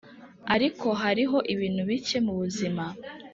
ariko hariho ibintu bike mubuzima